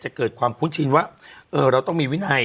เกิดความคุ้นชินว่าเราต้องมีวินัย